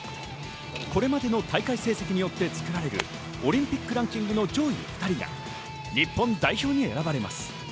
これまでの大会成績によって作られるオリンピックランキングの上位２人が日本代表に選ばれます。